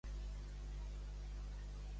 L'amor i la fe en les obres es veuen.